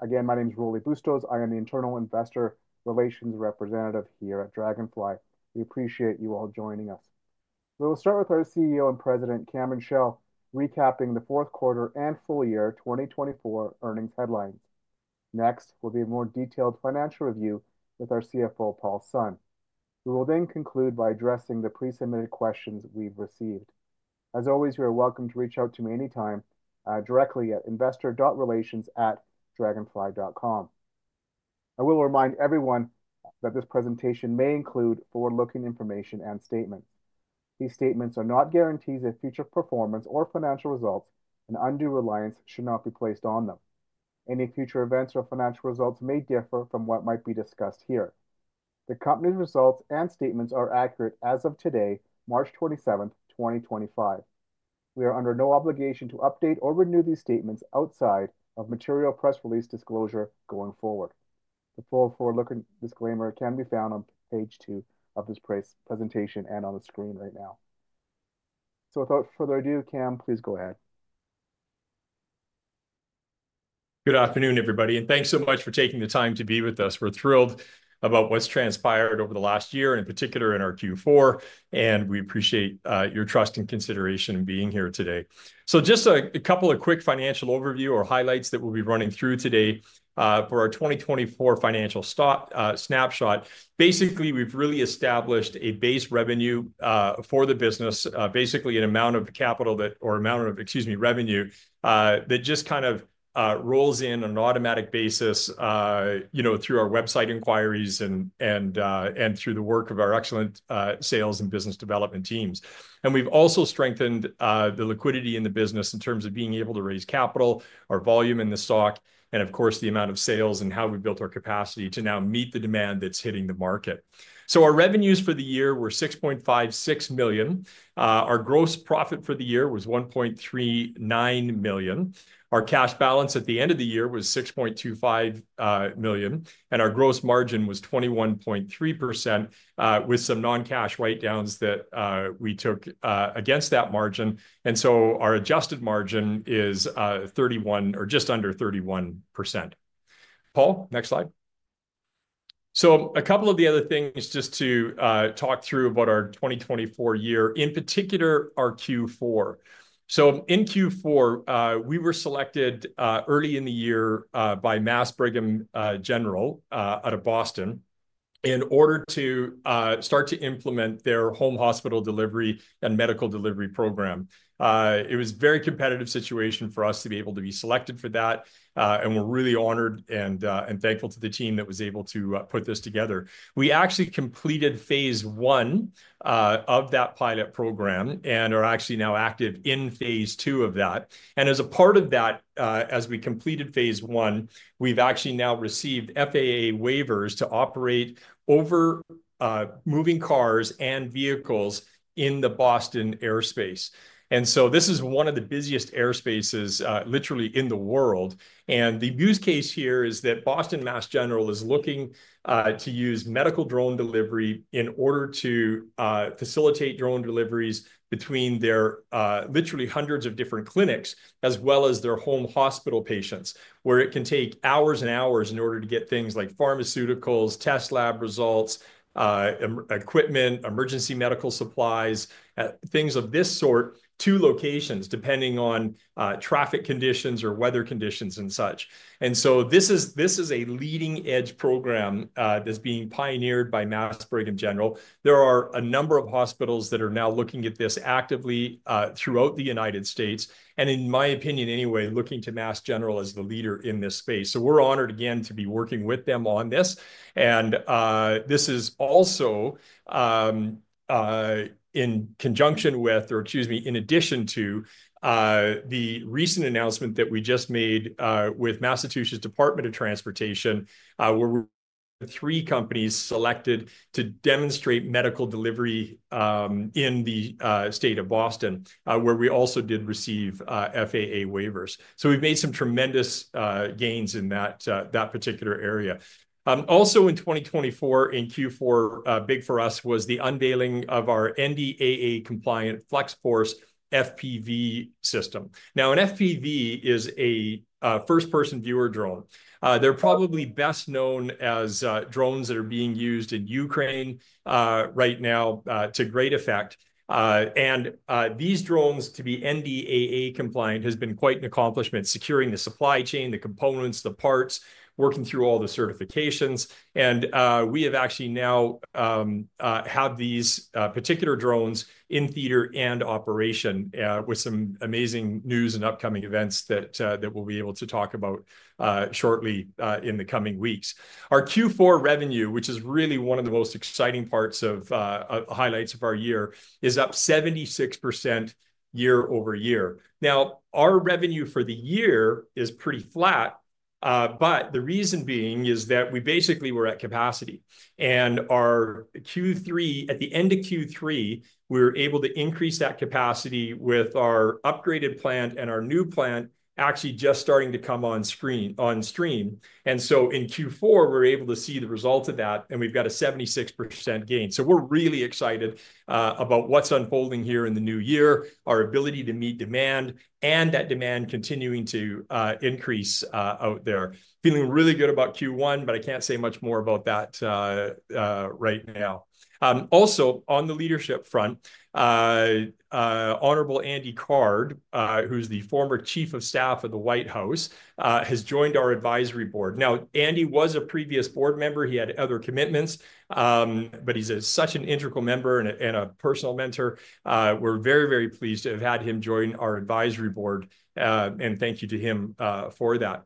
Again, my name is Rolly Bustos. I am the Internal Investor Relations Representative here at Draganfly. We appreciate you all joining us. We will start with our CEO and President, Cameron Chell, recapping the fourth quarter and full year 2024 earnings headlines. Next, we'll do a more detailed financial review with our CFO, Paul Sun. We will then conclude by addressing the pre-submitted questions we've received. As always, you're welcome to reach out to me anytime directly at investor.relations@draganfly.com. I will remind everyone that this presentation may include forward-looking information and statements. These statements are not guarantees of future performance or financial results, and undue reliance should not be placed on them. Any future events or financial results may differ from what might be discussed here. The company's results and statements are accurate as of today, March 27th, 2025. We are under no obligation to update or renew these statements outside of material press release disclosure going forward. The full forward-looking disclaimer can be found on page two of this presentation and on the screen right now. Without further ado, Cam, please go ahead. Good afternoon, everybody, and thanks so much for taking the time to be with us. We're thrilled about what's transpired over the last year, and in particular in our Q4, and we appreciate your trust and consideration in being here today. Just a couple of quick financial overview or highlights that we'll be running through today for our 2024 financial snapshot. Basically, we've really established a base revenue for the business, basically an amount of capital that, or amount of, excuse me, revenue that just kind of rolls in on an automatic basis, you know, through our website inquiries and through the work of our excellent sales and business development teams. We have also strengthened the liquidity in the business in terms of being able to raise capital, our volume in the stock, and of course, the amount of sales and how we built our capacity to now meet the demand that is hitting the market. Our revenues for the year were $6.56 million. Our gross profit for the year was $1.39 million. Our cash balance at the end of the year was $6.25 million, and our gross margin was 21.3%, with some non-cash write-downs that we took against that margin. Our adjusted margin is 31%, or just under 31%. Paul, next slide. A couple of the other things just to talk through about our 2024 year, in particular our Q4. In Q4, we were selected early in the year by Mass General Brigham out of Boston in order to start to implement their home hospital delivery and medical delivery program. It was a very competitive situation for us to be able to be selected for that, and we're really honored and thankful to the team that was able to put this together. We actually completed phase one of that pilot program and are actually now active in phase two of that. As a part of that, as we completed phase one, we've actually now received FAA waivers to operate over moving cars and vehicles in the Boston airspace. This is one of the busiest airspaces literally in the world. The use case here is that Boston Mass General is looking to use medical drone delivery in order to facilitate drone deliveries between their literally hundreds of different clinics, as well as their home hospital patients, where it can take hours and hours in order to get things like pharmaceuticals, test lab results, equipment, emergency medical supplies, things of this sort to locations, depending on traffic conditions or weather conditions and such. This is a leading-edge program that's being pioneered by Mass General Brigham. There are a number of hospitals that are now looking at this actively throughout the United States, and in my opinion anyway, looking to Mass General as the leader in this space. We're honored again to be working with them on this. This is also in conjunction with, or excuse me, in addition to the recent announcement that we just made with Massachusetts Department of Transportation, where three companies selected to demonstrate medical delivery in the state of Boston, where we also did receive FAA waivers. We have made some tremendous gains in that particular area. Also, in 2024, in Q4, big for us was the unveiling of our NDAA compliant FlexForce FPV system. Now, an FPV is a first-person viewer drone. They are probably best known as drones that are being used in Ukraine right now to great effect. These drones, to be NDAA compliant, have been quite an accomplishment, securing the supply chain, the components, the parts, working through all the certifications. We actually now have these particular drones in theater and operation with some amazing news and upcoming events that we'll be able to talk about shortly in the coming weeks. Our Q4 revenue, which is really one of the most exciting parts of highlights of our year, is up 76% year-over-year. Now, our revenue for the year is pretty flat, but the reason being is that we basically were at capacity. At the end of Q3, we were able to increase that capacity with our upgraded plant and our new plant actually just starting to come on stream. In Q4, we're able to see the result of that, and we've got a 76% gain. We're really excited about what's unfolding here in the new year, our ability to meet demand, and that demand continuing to increase out there. Feeling really good about Q1, but I can't say much more about that right now. Also, on the leadership front, Honorable Andy Card, who's the former Chief of Staff of the White House, has joined our advisory board. Now, Andy was a previous board member. He had other commitments, but he's such an integral member and a personal mentor. We're very, very pleased to have had him join our advisory board, and thank you to him for that.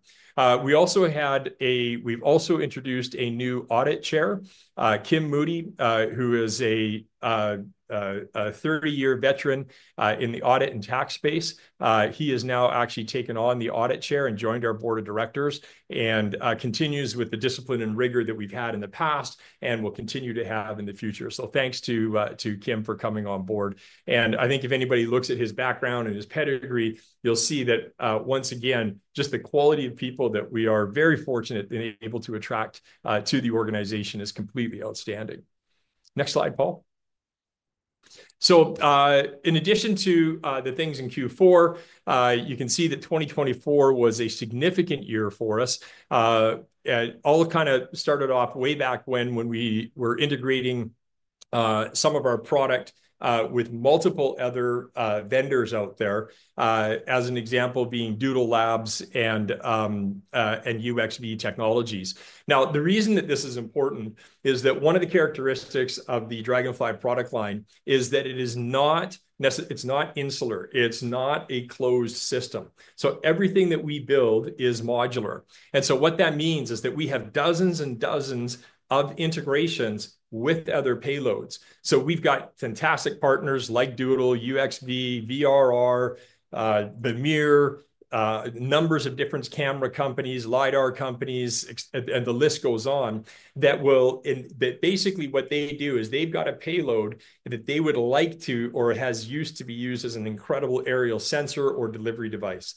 We also had a, we've also introduced a new audit chair, Kim Moody, who is a 30-year veteran in the audit and tax space. He has now actually taken on the audit chair and joined our board of directors and continues with the discipline and rigor that we've had in the past and will continue to have in the future. Thanks to Kim for coming on board. I think if anybody looks at his background and his pedigree, you'll see that once again, just the quality of people that we are very fortunate and able to attract to the organization is completely outstanding. Next slide, Paul. In addition to the things in Q4, you can see that 2024 was a significant year for us. It all kind of started off way back when we were integrating some of our product with multiple other vendors out there, as an example being Doodle Labs and UXV Technologies. The reason that this is important is that one of the characteristics of the Draganfly product line is that it is not, it's not insular. It's not a closed system. Everything that we build is modular. What that means is that we have dozens and dozens of integrations with other payloads. We've got fantastic partners like Doodle Labs, UXV Technologies, VRR, Vermeer, numbers of different camera companies, LiDAR companies, and the list goes on that basically what they do is they've got a payload that they would like to, or has used to be used as an incredible aerial sensor or delivery device.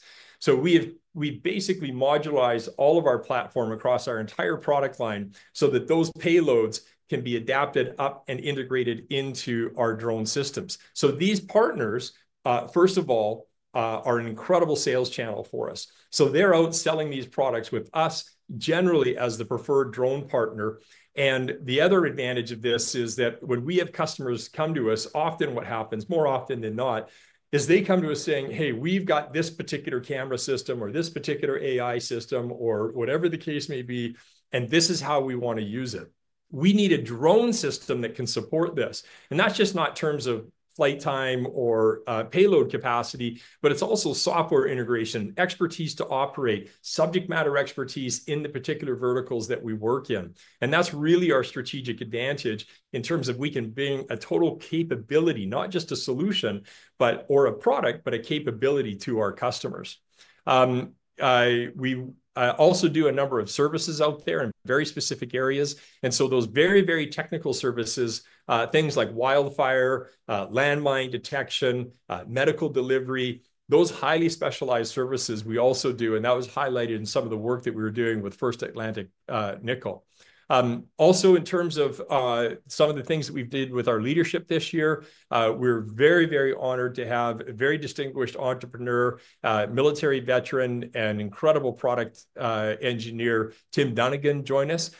We basically modularize all of our platform across our entire product line so that those payloads can be adapted up and integrated into our drone systems. These partners, first of all, are an incredible sales channel for us. They're out selling these products with us generally as the preferred drone partner. The other advantage of this is that when we have customers come to us, often what happens, more often than not, is they come to us saying, "Hey, we've got this particular camera system or this particular AI system or whatever the case may be, and this is how we want to use it. We need a drone system that can support this." That is just not in terms of flight time or payload capacity, but it is also software integration, expertise to operate, subject matter expertise in the particular verticals that we work in. That is really our strategic advantage in terms of we can bring a total capability, not just a solution, or a product, but a capability to our customers. We also do a number of services out there in very specific areas. Those very, very technical services, things like wildfire, landmine detection, medical delivery, those highly specialized services we also do. That was highlighted in some of the work that we were doing with First Atlantic Nickel. Also, in terms of some of the things that we did with our leadership this year, we're very, very honored to have a very distinguished entrepreneur, military veteran, and incredible product engineer, Tim Donegan, join us.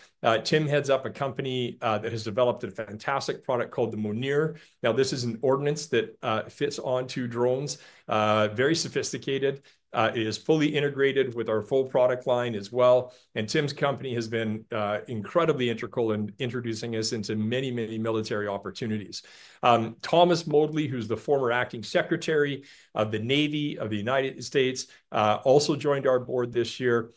Tim heads up a company that has developed a fantastic product called the Monir. This is an ordnance that fits onto drones, very sophisticated. It is fully integrated with our full product line as well. Tim's company has been incredibly integral in introducing us into many, many military opportunities. Thomas Modly, who's the former Acting Secretary of the Navy of the United States, also joined our board this year.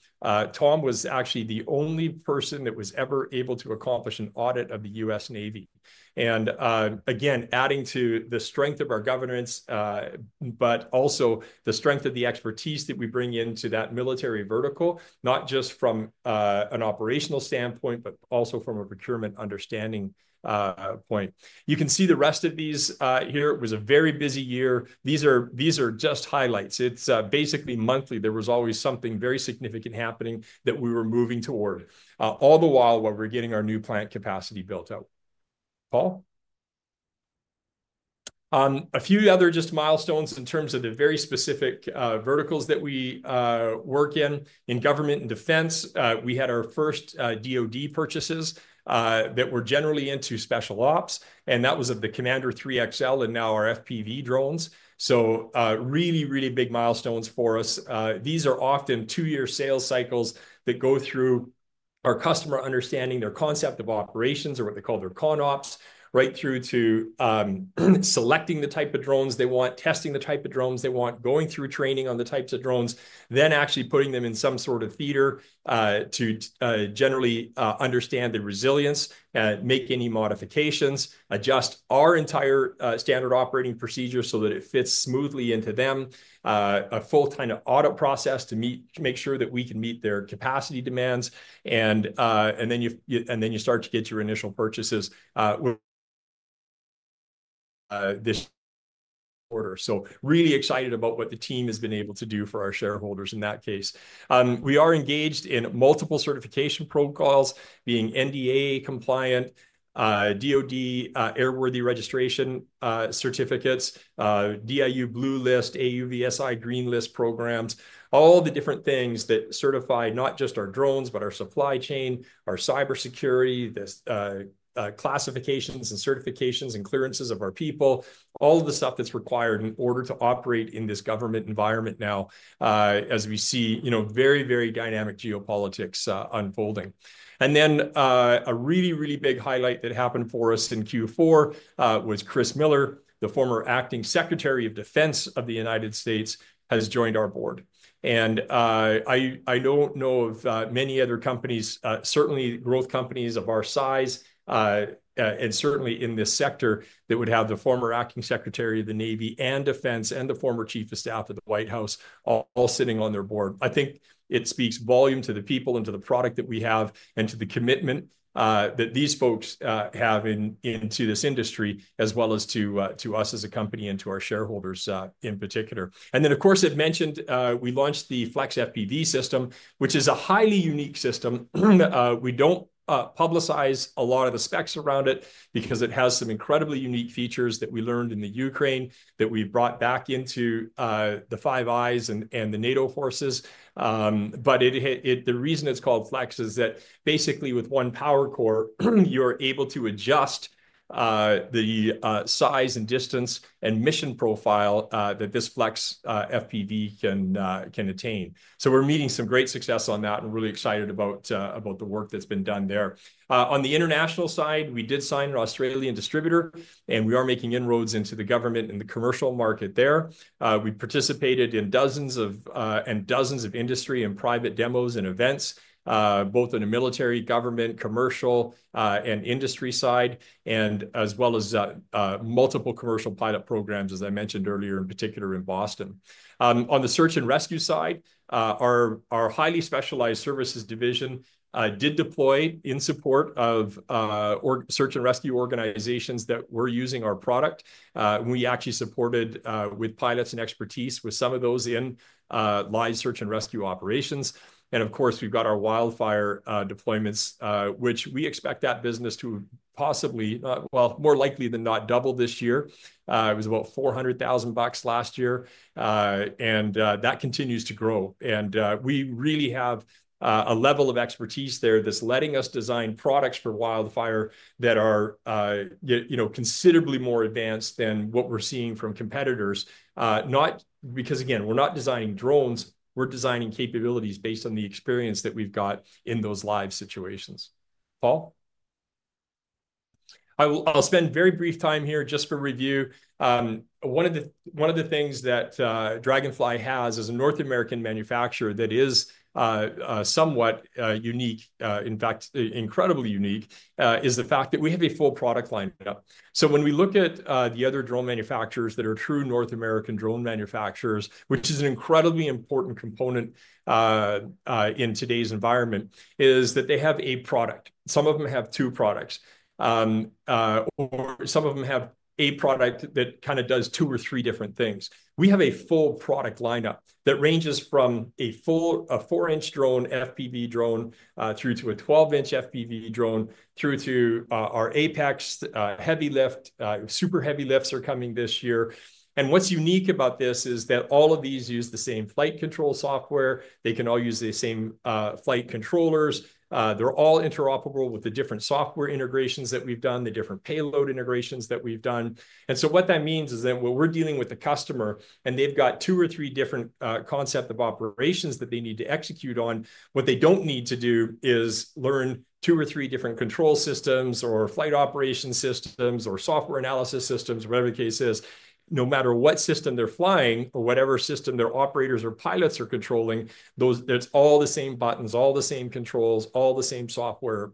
Tom was actually the only person that was ever able to accomplish an audit of the U.S. Navy. Again, adding to the strength of our governance, but also the strength of the expertise that we bring into that military vertical, not just from an operational standpoint, but also from a procurement understanding point. You can see the rest of these here. It was a very busy year. These are just highlights. It is basically monthly. There was always something very significant happening that we were moving toward all the while while we're getting our new plant capacity built out. Paul? A few other just milestones in terms of the very specific verticals that we work in. In government and defense, we had our first DOD purchases that were generally into special ops, and that was of the Commander 3XL and now our FPV drones. Really, really big milestones for us. These are often two-year sales cycles that go through our customer understanding their concept of operations or what they call their con ops, right through to selecting the type of drones they want, testing the type of drones they want, going through training on the types of drones, then actually putting them in some sort of theater to generally understand the resilience, make any modifications, adjust our entire standard operating procedure so that it fits smoothly into them, a full kind of audit process to make sure that we can meet their capacity demands. You start to get your initial purchases this order. Really excited about what the team has been able to do for our shareholders in that case. We are engaged in multiple certification protocols, being NDAA compliant, DOD airworthy registration certificates, DIU Blue List, AUVSI Green List programs, all the different things that certify not just our drones, but our supply chain, our cybersecurity, the classifications and certifications and clearances of our people, all of the stuff that's required in order to operate in this government environment now, as we see, you know, very, very dynamic geopolitics unfolding. A really, really big highlight that happened for us in Q4 was Chris Miller, the former Acting Secretary of Defense of the United States, has joined our board. I do not know of many other companies, certainly growth companies of our size, and certainly in this sector that would have the former Acting Secretary of the Navy and Defense and the former Chief of Staff of the White House all sitting on their board. I think it speaks volumes to the people and to the product that we have and to the commitment that these folks have into this industry, as well as to us as a company and to our shareholders in particular. Of course, I've mentioned we launched the FlexForce FPV system, which is a highly unique system. We don't publicize a lot of the specs around it because it has some incredibly unique features that we learned in Ukraine that we brought back into the Five Eyes and the NATO forces. The reason it's called Flex is that basically with one power core, you are able to adjust the size and distance and mission profile that this FlexForce FPV can attain. We're meeting some great success on that and really excited about the work that's been done there. On the international side, we did sign an Australian distributor, and we are making inroads into the government and the commercial market there. We participated in dozens of industry and private demos and events, both in the military, government, commercial, and industry side, as well as multiple commercial pilot programs, as I mentioned earlier, in particular in Boston. On the search and rescue side, our highly specialized services division did deploy in support of search and rescue organizations that were using our product. We actually supported with pilots and expertise with some of those in live search and rescue operations. Of course, we have our wildfire deployments, which we expect that business to possibly, more likely than not, double this year. It was about $400,000 last year, and that continues to grow. We really have a level of expertise there that's letting us design products for wildfire that are, you know, considerably more advanced than what we're seeing from competitors. Not because, again, we're not designing drones. We're designing capabilities based on the experience that we've got in those live situations. Paul? I'll spend very brief time here just for review. One of the things that Draganfly has as a North American manufacturer that is somewhat unique, in fact, incredibly unique, is the fact that we have a full product lineup. When we look at the other drone manufacturers that are true North American drone manufacturers, which is an incredibly important component in today's environment, is that they have a product. Some of them have two products, or some of them have a product that kind of does two or three different things. We have a full product lineup that ranges from a full 4-in drone, FPV drone, through to a 12-in FPV drone, through to our APEX heavy lift, super heavy lifts are coming this year. What is unique about this is that all of these use the same flight control software. They can all use the same flight controllers. They are all interoperable with the different software integrations that we have done, the different payload integrations that we have done. What that means is that when we are dealing with the customer and they have two or three different concepts of operations that they need to execute on, what they do not need to do is learn two or three different control systems or flight operation systems or software analysis systems, whatever the case is. No matter what system they're flying or whatever system their operators or pilots are controlling, that's all the same buttons, all the same controls, all the same software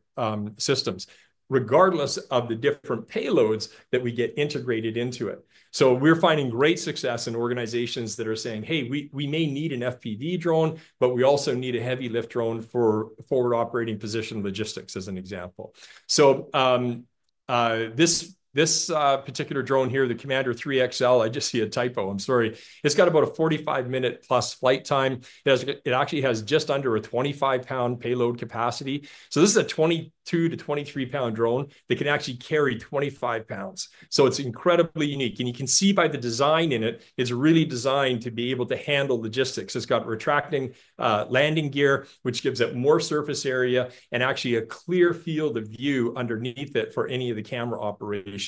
systems, regardless of the different payloads that we get integrated into it. We're finding great success in organizations that are saying, "Hey, we may need an FPV drone, but we also need a heavy lift drone for forward operating position logistics," as an example. This particular drone here, the Commander 3XL, I just see a typo. I'm sorry. It's got about a 45-minute plus flight time. It actually has just under a 25-lbs payload capacity. This is a 22 to 23-lbs drone that can actually carry 25 lbs. It's incredibly unique. You can see by the design in it, it's really designed to be able to handle logistics. It's got retracting landing gear, which gives it more surface area and actually a clear field of view underneath it for any of the camera operations.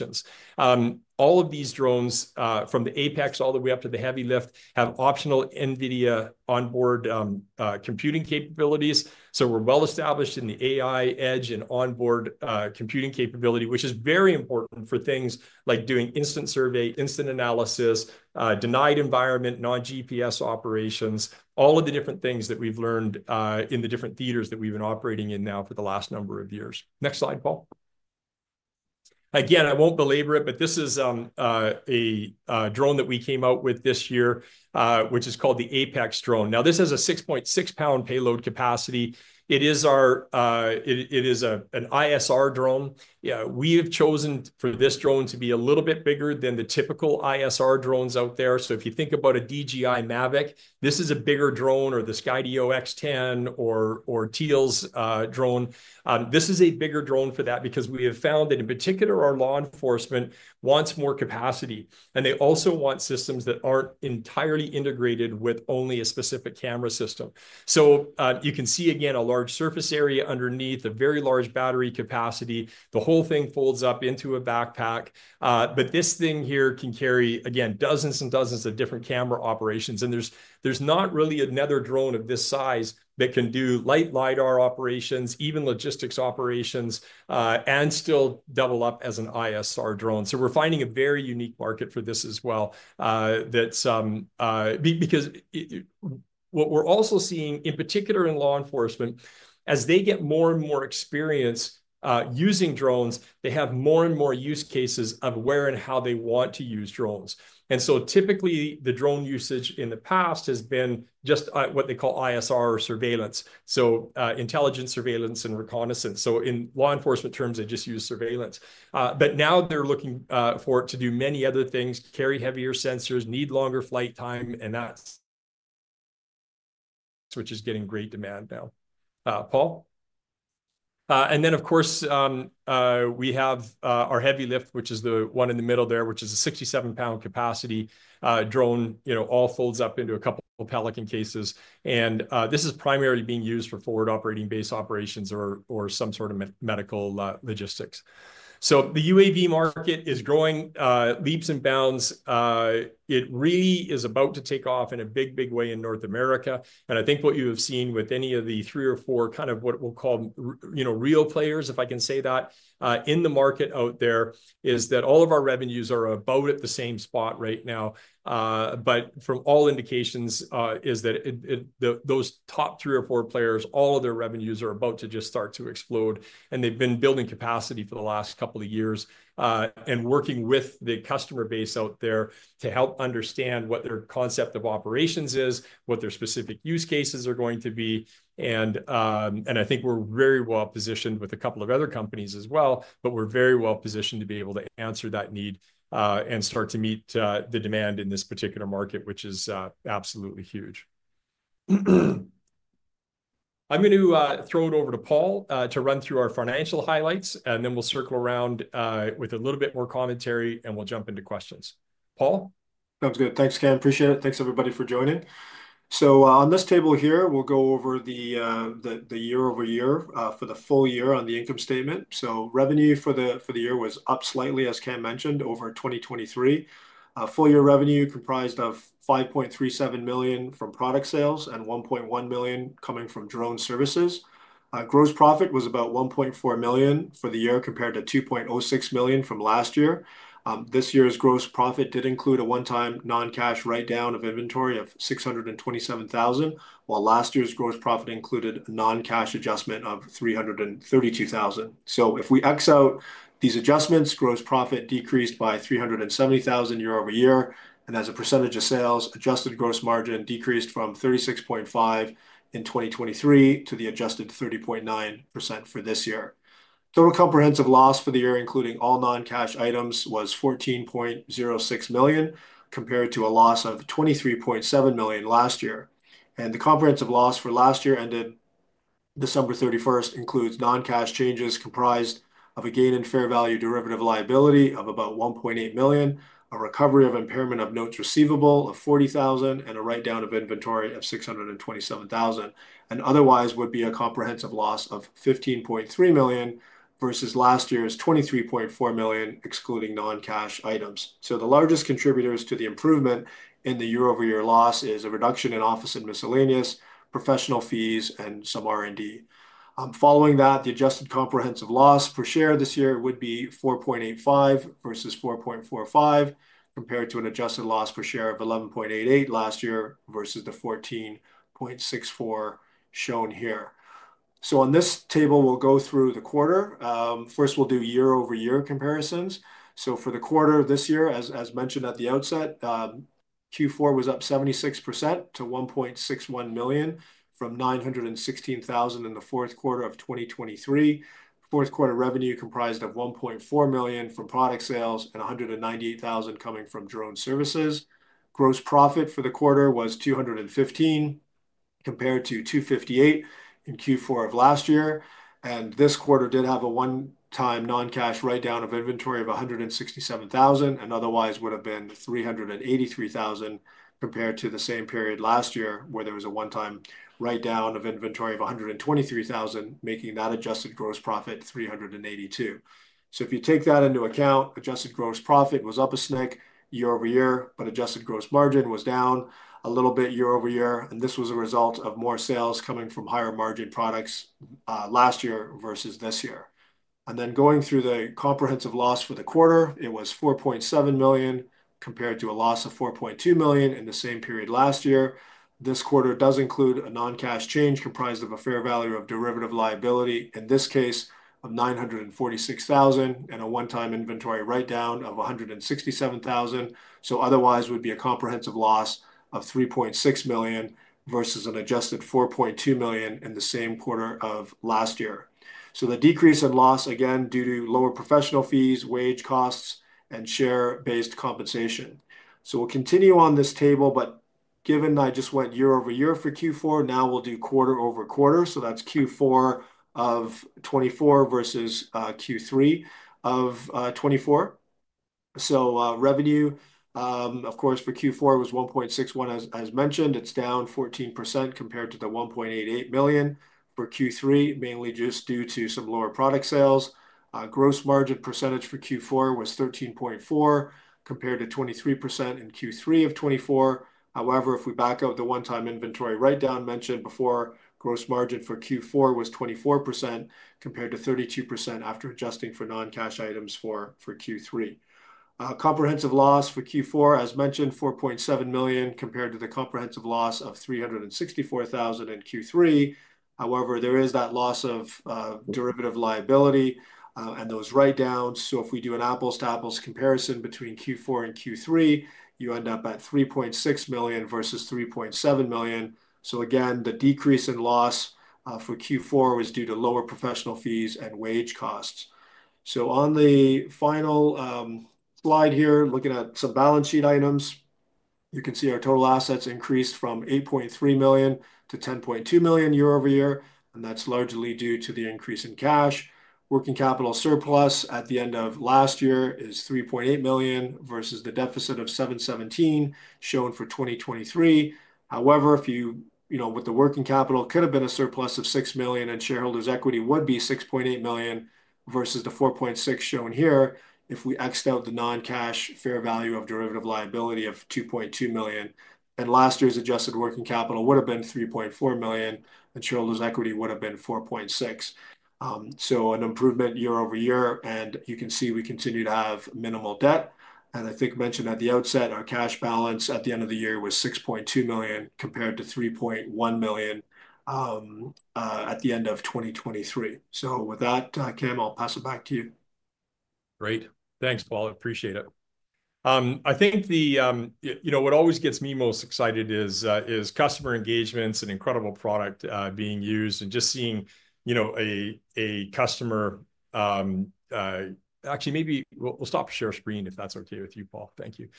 All of these drones, from the APEX all the way up to the heavy lift, have optional NVIDIA onboard computing capabilities. We're well established in the AI edge and onboard computing capability, which is very important for things like doing instant survey, instant analysis, denied environment, non-GPS operations, all of the different things that we've learned in the different theaters that we've been operating in now for the last number of years. Next slide, Paul. Again, I won't belabor it, but this is a drone that we came out with this year, which is called the APEX drone. This has a 6.6-lbs payload capacity. It is our, it is an ISR drone. We have chosen for this drone to be a little bit bigger than the typical ISR drones out there. If you think about a DJI Mavic, this is a bigger drone or the Skydio X10 or Teal's drone. This is a bigger drone for that because we have found that in particular, our law enforcement wants more capacity. They also want systems that aren't entirely integrated with only a specific camera system. You can see again a large surface area underneath, a very large battery capacity. The whole thing folds up into a backpack. This thing here can carry, again, dozens and dozens of different camera operations. There's not really another drone of this size that can do light LIDAR operations, even logistics operations, and still double up as an ISR drone. We're finding a very unique market for this as well. Because what we're also seeing, in particular in law enforcement, as they get more and more experience using drones, they have more and more use cases of where and how they want to use drones. Typically, the drone usage in the past has been just what they call ISR or surveillance, so intelligence, surveillance, and reconnaissance. In law enforcement terms, they just use surveillance. Now they're looking for it to do many other things, carry heavier sensors, need longer flight time, and that's which is getting great demand now. Paul? Of course, we have our heavy lift, which is the one in the middle there, which is a 67-lbs capacity drone, you know, all folds up into a couple Pelican cases. This is primarily being used for forward operating base operations or some sort of medical logistics. The UAV market is growing leaps and bounds. It really is about to take off in a big, big way in North America. I think what you have seen with any of the three or four kind of what we'll call, you know, real players, if I can say that, in the market out there is that all of our revenues are about at the same spot right now. From all indications, those top three or four players, all of their revenues are about to just start to explode. They've been building capacity for the last couple of years and working with the customer base out there to help understand what their concept of operations is, what their specific use cases are going to be. I think we're very well positioned with a couple of other companies as well, but we're very well positioned to be able to answer that need and start to meet the demand in this particular market, which is absolutely huge. I'm going to throw it over to Paul to run through our financial highlights, and then we'll circle around with a little bit more commentary and we'll jump into questions. Paul? Sounds good. Thanks, Cam. Appreciate it. Thanks, everybody, for joining. On this table here, we'll go over the year-over-year for the full year on the income statement. Revenue for the year was up slightly, as Cam mentioned, over 2023. Full year revenue comprised of $5.37 million from product sales and $1.1 million coming from drone services. Gross profit was about $1.4 million for the year compared to $2.06 million from last year. This year's gross profit did include a one-time non-cash write-down of inventory of $627,000, while last year's gross profit included a non-cash adjustment of $332,000. If we X out these adjustments, gross profit decreased by $370,000 year-over-year. As a percentage of sales, adjusted gross margin decreased from 36.5% in 2023 to the adjusted 30.9% for this year. Total comprehensive loss for the year, including all non-cash items, was $14.06 million compared to a loss of $23.7 million last year. The comprehensive loss for last year ended December 31st includes non-cash changes comprised of a gain in fair value derivative liability of about $1.8 million, a recovery of impairment of notes receivable of $40,000, and a write-down of inventory of $627,000. Otherwise, it would be a comprehensive loss of $15.3 million versus last year's $23.4 million excluding non-cash items. The largest contributors to the improvement in the year-over-year loss is a reduction in office and miscellaneous, professional fees, and some R&D. Following that, the adjusted comprehensive loss per share this year would be $4.85 versus $4.45 compared to an adjusted loss per share of $11.88 last year versus the $14.64 shown here. On this table, we'll go through the quarter. First, we'll do year-over-year comparisons. For the quarter of this year, as mentioned at the outset, Q4 was up 76% to $1.61 million from $916,000 in the fourth quarter of 2023. Fourth quarter revenue comprised $1.4 million from product sales and $198,000 coming from drone services. Gross profit for the quarter was $215,000 compared to $258,000 in Q4 of last year. This quarter did have a one-time non-cash write-down of inventory of $167,000 and otherwise would have been $383,000 compared to the same period last year where there was a one-time write-down of inventory of $123,000, making that adjusted gross profit $382,000. If you take that into account, adjusted gross profit was up a shade year-over-year, but adjusted gross margin was down a little bit year-over-year. This was a result of more sales coming from higher margin products last year versus this year. Going through the comprehensive loss for the quarter, it was $4.7 million compared to a loss of $4.2 million in the same period last year. This quarter does include a non-cash change comprised of a fair value of derivative liability, in this case of $946,000 and a one-time inventory write-down of $167,000. Otherwise would be a comprehensive loss of $3.6 million versus an adjusted $4.2 million in the same quarter of last year. The decrease in loss, again, due to lower professional fees, wage costs, and share-based compensation. We'll continue on this table, but given I just went year-over-year for Q4, now we'll do quarter-over-quarter. That's Q4 of 2024 versus Q3 of 2024. Revenue, of course, for Q4 was $1.61 million, as mentioned. It's down 14% compared to the $1.88 million for Q3, mainly just due to some lower product sales. Gross margin percentage for Q4 was 13.4% compared to 23% in Q3 of 2024. However, if we back out the one-time inventory write-down mentioned before, gross margin for Q4 was 24% compared to 32% after adjusting for non-cash items for Q3. Comprehensive loss for Q4, as mentioned, $4.7 million compared to the comprehensive loss of $364,000 in Q3. However, there is that loss of derivative liability and those write-downs. If we do an apples-to-apples comparison between Q4 and Q3, you end up at $3.6 million versus $3.7 million. The decrease in loss for Q4 was due to lower professional fees and wage costs. On the final slide here, looking at some balance sheet items, you can see our total assets increased from $8.3 million to $10.2 million year-over-year. That is largely due to the increase in cash. Working capital surplus at the end of last year is $3.8 million versus the deficit of $717,000 shown for 2023. However, if you, you know, with the working capital could have been a surplus of $6 million and shareholders' equity would be $6.8 million versus the $4.6 million shown here if we X out the non-cash fair value of derivative liability of $2.2 million. Last year's adjusted working capital would have been $3.4 million and shareholders' equity would have been $4.6 million. An improvement year-over-year. You can see we continue to have minimal debt. I think mentioned at the outset, our cash balance at the end of the year was $6.2 million compared to $3.1 million at the end of 2023. With that, Cam, I'll pass it back to you. Great. Thanks, Paul. Appreciate it. I think the, you know, what always gets me most excited is customer engagements and incredible product being used and just seeing, you know, a customer, actually maybe we'll stop share screen if that's okay with you, Paul. Thank you.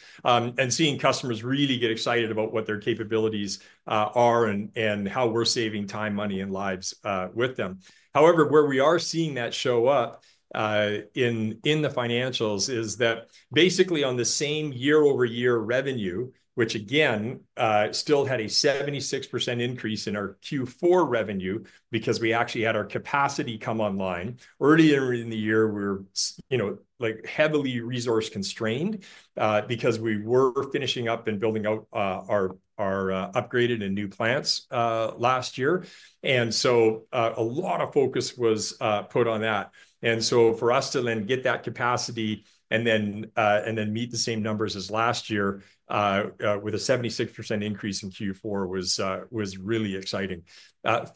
Seeing customers really get excited about what their capabilities are and how we're saving time, money, and lives with them. However, where we are seeing that show up in the financials is that basically on the same year-over-year revenue, which again still had a 76% increase in our Q4 revenue because we actually had our capacity come online. Earlier in the year, we were, you know, like heavily resource constrained because we were finishing up and building out our upgraded and new plants last year. A lot of focus was put on that. For us to then get that capacity and then meet the same numbers as last year with a 76% increase in Q4 was really exciting.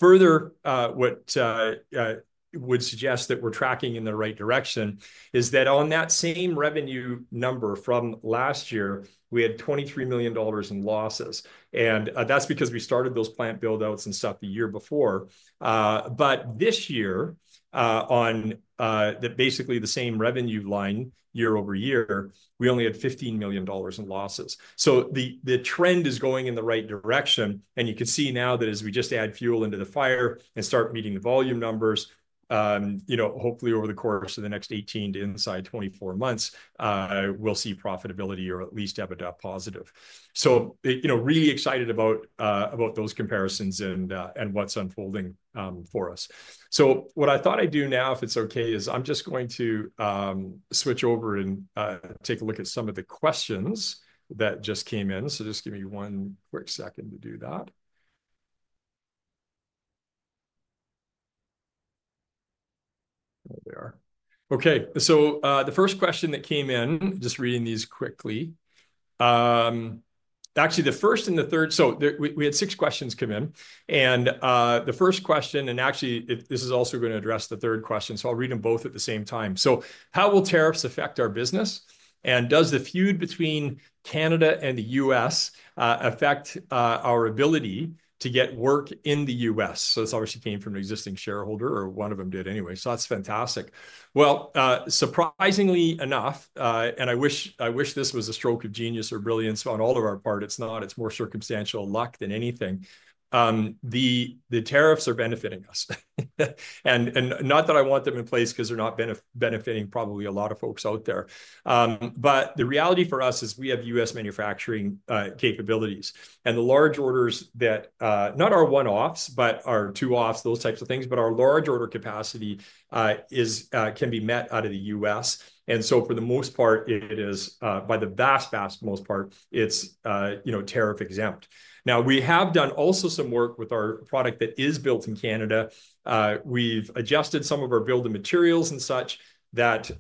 Further, what would suggest that we're tracking in the right direction is that on that same revenue number from last year, we had $23 million in losses. That's because we started those plant buildouts and stuff the year before. This year, on basically the same revenue line year-over-year, we only had $15 million in losses. The trend is going in the right direction. You can see now that as we just add fuel into the fire and start meeting the volume numbers, you know, hopefully over the course of the next 18 to inside 24 months, we'll see profitability or at least EBITDA positive. You know, really excited about those comparisons and what's unfolding for us. What I thought I'd do now, if it's okay, is I'm just going to switch over and take a look at some of the questions that just came in. Just give me one quick second to do that. There they are. The first question that came in, just reading these quickly. Actually, the first and the third. We had six questions come in. The first question, and actually, this is also going to address the third question. I'll read them both at the same time. How will tariffs affect our business? Does the feud between Canada and the U.S. affect our ability to get work in the U.S.? This obviously came from an existing shareholder or one of them did anyway. That's fantastic. Surprisingly enough, and I wish this was a stroke of genius or brilliance on all of our part. It's not. It's more circumstantial luck than anything. The tariffs are benefiting us. Not that I want them in place because they're not benefiting probably a lot of folks out there. The reality for us is we have U.S. manufacturing capabilities. The large orders that are not our one-offs, but our two-offs, those types of things, but our large order capacity can be met out of the U.S. For the most part, it is, by the vast, vast most part, it's, you know, tariff exempt. We have done also some work with our product that is built in Canada. We've adjusted some of our bill of materials and such that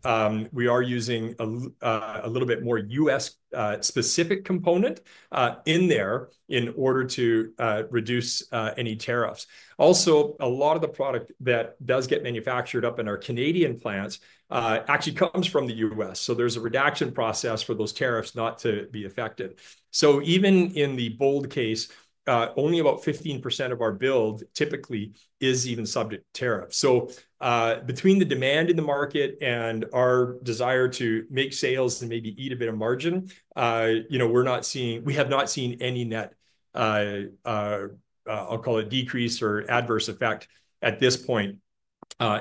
we are using a little bit more U.S. Specific component in there in order to reduce any tariffs. Also, a lot of the product that does get manufactured up in our Canadian plants actually comes from the U.S. There is a redaction process for those tariffs not to be affected. Even in the bold case, only about 15% of our build typically is even subject to tariff. Between the demand in the market and our desire to make sales and maybe eat a bit of margin, you know, we're not seeing, we have not seen any net, I'll call it decrease or adverse effect at this point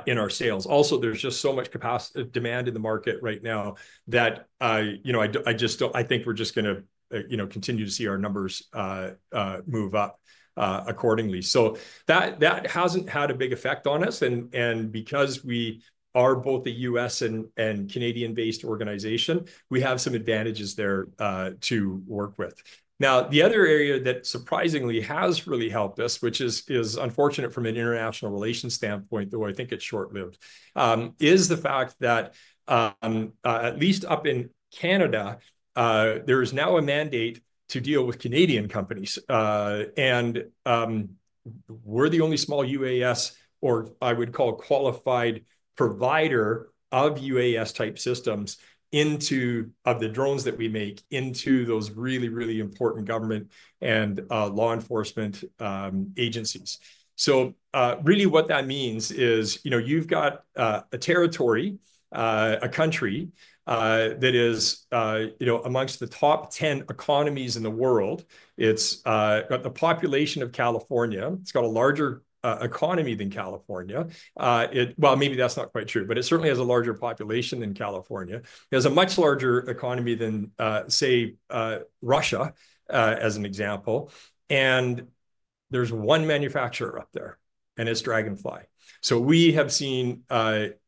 in our sales. Also, there is just so much demand in the market right now that, you know, I just don't, I think we're just going to, you know, continue to see our numbers move up accordingly. That hasn't had a big effect on us. Because we are both a U.S. and Canadian-based organization, we have some advantages there to work with. Now, the other area that surprisingly has really helped us, which is unfortunate from an international relations standpoint, though I think it's short-lived, is the fact that at least up in Canada, there is now a mandate to deal with Canadian companies. We're the only small UAS, or I would call a qualified provider of UAS-type systems into the drones that we make into those really, really important government and law enforcement agencies. Really what that means is, you know, you've got a territory, a country that is, you know, amongst the top 10 economies in the world. It's got the population of California. It's got a larger economy than California. Maybe that's not quite true, but it certainly has a larger population than California. It has a much larger economy than, say, Russia, as an example. And there's one manufacturer up there, and it's Draganfly. We have seen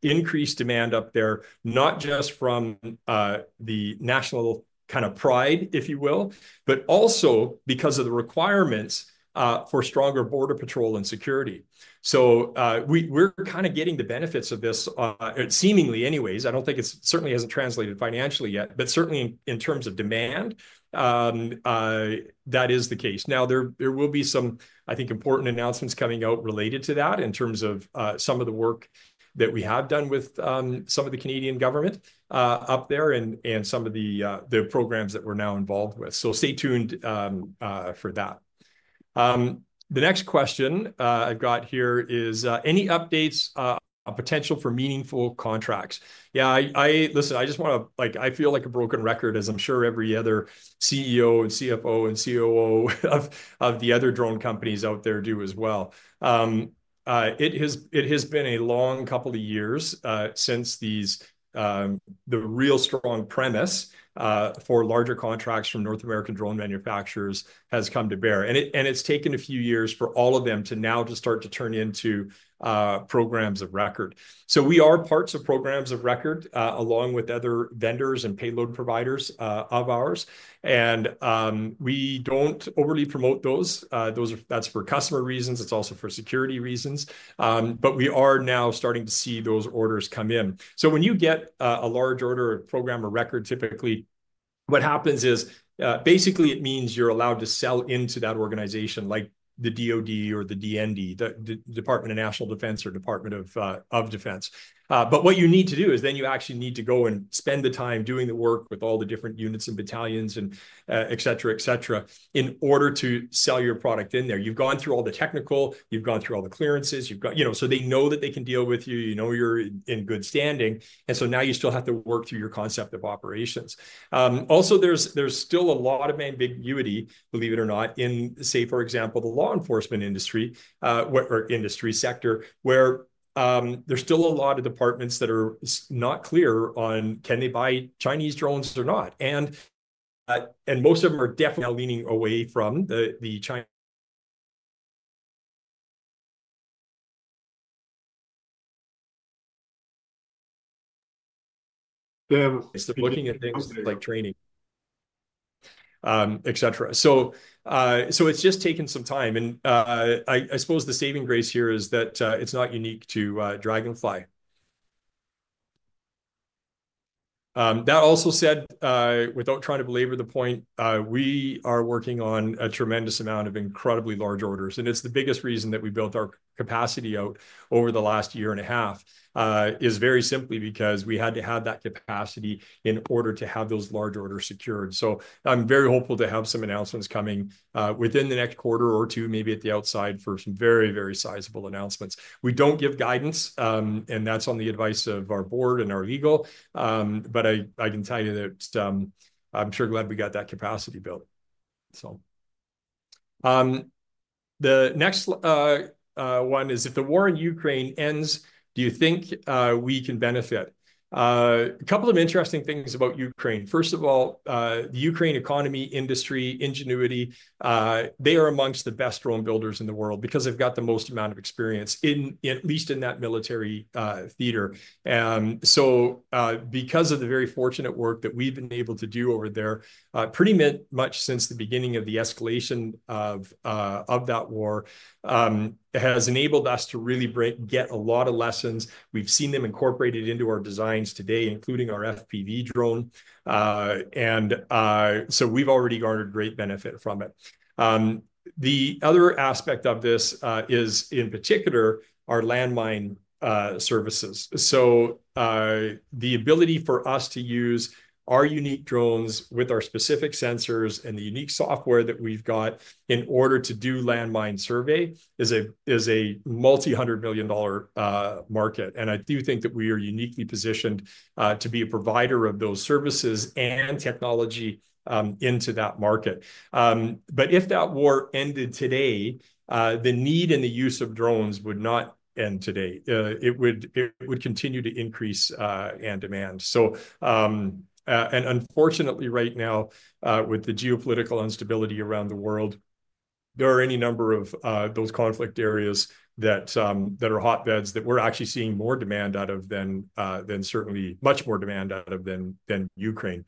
increased demand up there, not just from the national kind of pride, if you will, but also because of the requirements for stronger border patrol and security. We're kind of getting the benefits of this, seemingly anyways. I don't think it certainly hasn't translated financially yet, but certainly in terms of demand, that is the case. There will be some, I think, important announcements coming out related to that in terms of some of the work that we have done with some of the Canadian government up there and some of the programs that we're now involved with. Stay tuned for that. The next question I've got here is, any updates on potential for meaningful contracts? Yeah, I listen, I just want to, like, I feel like a broken record, as I'm sure every other CEO and CFO and COO of the other drone companies out there do as well. It has been a long couple of years since the real strong premise for larger contracts from North American drone manufacturers has come to bear. It's taken a few years for all of them to now just start to turn into programs of record. We are parts of programs of record along with other vendors and payload providers of ours. We don't overly promote those. That's for customer reasons. It's also for security reasons. We are now starting to see those orders come in. When you get a large order of program or record, typically what happens is basically it means you're allowed to sell into that organization like the DOD or the DND, the Department of National Defense or Department of Defense. What you need to do is then you actually need to go and spend the time doing the work with all the different units and battalions and etc., etc. in order to sell your product in there. You've gone through all the technical, you've gone through all the clearances, you've got, you know, so they know that they can deal with you, you know, you're in good standing. You still have to work through your concept of operations. Also, there's still a lot of ambiguity, believe it or not, in, say, for example, the law enforcement industry or industry sector, where there's still a lot of departments that are not clear on can they buy Chinese drones or not. Most of them are definitely now leaning away from China. They're looking at things like training, etc. It's just taken some time. I suppose the saving grace here is that it's not unique to Draganfly. That also said, without trying to belabor the point, we are working on a tremendous amount of incredibly large orders. It's the biggest reason that we built our capacity out over the last year and a half is very simply because we had to have that capacity in order to have those large orders secured. I'm very hopeful to have some announcements coming within the next quarter or two, maybe at the outside for some very, very sizable announcements. We don't give guidance, and that's on the advice of our board and our legal. I can tell you that I'm sure glad we got that capacity built. The next one is, if the war in Ukraine ends, do you think we can benefit? A couple of interesting things about Ukraine. First of all, the Ukraine economy, industry, ingenuity, they are amongst the best drone builders in the world because they've got the most amount of experience, at least in that military theater. Because of the very fortunate work that we've been able to do over there, pretty much since the beginning of the escalation of that war, it has enabled us to really get a lot of lessons. We've seen them incorporated into our designs today, including our FPV drone. We've already garnered great benefit from it. The other aspect of this is, in particular, our landmine services. The ability for us to use our unique drones with our specific sensors and the unique software that we've got in order to do landmine survey is a multi-hundred million dollar market. I do think that we are uniquely positioned to be a provider of those services and technology into that market. If that war ended today, the need and the use of drones would not end today. It would continue to increase in demand. Unfortunately, right now, with the geopolitical instability around the world, there are any number of those conflict areas that are hotbeds that we're actually seeing more demand out of than certainly much more demand out of than Ukraine.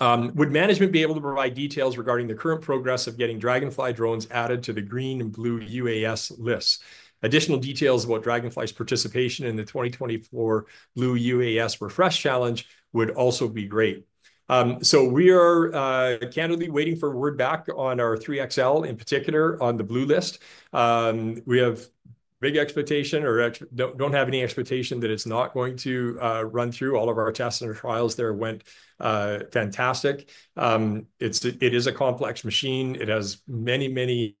Would management be able to provide details regarding the current progress of getting Draganfly drones added to the Green and Blue UAS lists? Additional details about Draganfly's participation in the 2024 Blue UAS Refresh Challenge would also be great. We are candidly waiting for word back on our 3XL, in particular on the Blue list. We have big expectation or do not have any expectation that it is not going to run through. All of our tests and trials there went fantastic. It is a complex machine. It has many, many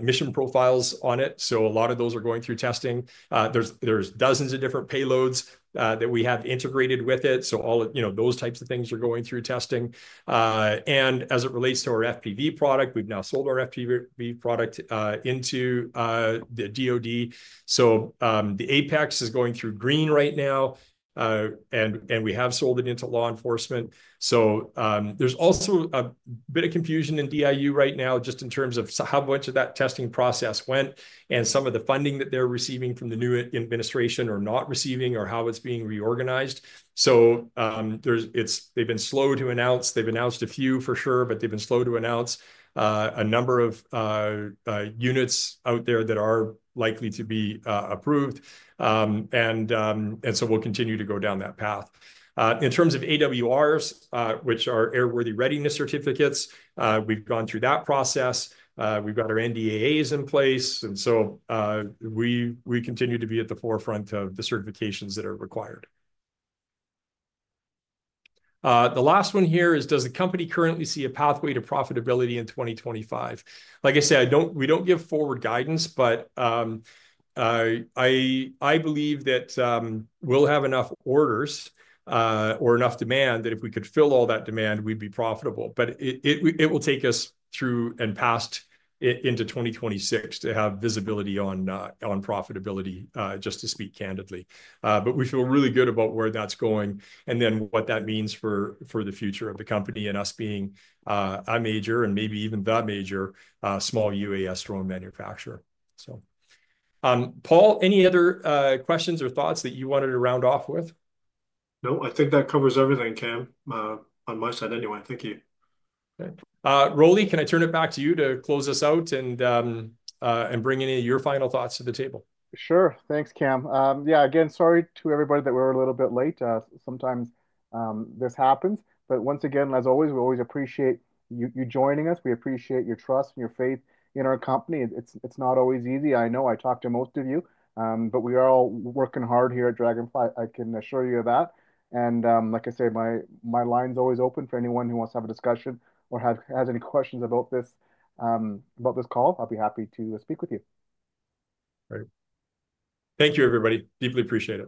mission profiles on it. A lot of those are going through testing. There are dozens of different payloads that we have integrated with it. All of those types of things are going through testing. As it relates to our FPV product, we have now sold our FPV product into the DOD. The APEX is going through Green List right now, and we have sold it into law enforcement. There is also a bit of confusion in DIU right now just in terms of how much of that testing process went and some of the funding that they are receiving from the new administration or not receiving or how it is being reorganized. They have been slow to announce. They have announced a few for sure, but they have been slow to announce a number of units out there that are likely to be approved. We will continue to go down that path. In terms of AWRs, which are Airworthiness Readiness Certificates, we have gone through that process. We have got our NDAs in place. We continue to be at the forefront of the certifications that are required. The last one here is, does the company currently see a pathway to profitability in 2025? Like I say, we do not give forward guidance, but I believe that we will have enough orders or enough demand that if we could fill all that demand, we would be profitable. It will take us through and past into 2026 to have visibility on profitability, just to speak candidly. We feel really good about where that is going and what that means for the future of the company and us being a major and maybe even the major small UAS drone manufacturer. Paul, any other questions or thoughts that you wanted to round off with? No, I think that covers everything, Cam, on my side anyway. Thank you. Okay. Rolly, can I turn it back to you to close us out and bring any of your final thoughts to the table? Sure. Thanks, Cam. Yeah, again, sorry to everybody that we are a little bit late. Sometimes this happens. Once again, as always, we always appreciate you joining us. We appreciate your trust and your faith in our company. It's not always easy. I know I talked to most of you, but we are all working hard here at Draganfly. I can assure you of that. Like I say, my line's always open for anyone who wants to have a discussion or has any questions about this call. I'll be happy to speak with you. Great. Thank you, everybody. Deeply appreciate it.